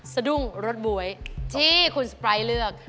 สะดุ้งรสบ๊วยที่คุณสไปร์เลือก